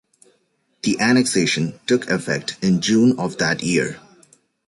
The annexation took effect in June of that year.